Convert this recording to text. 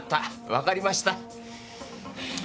わかりました。